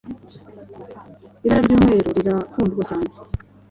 Ibara ry’umweru rirakundwa cyane